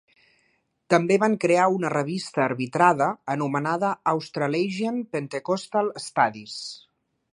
També van crear una revista arbitrada anomenada Australasian Pentecostal Studies.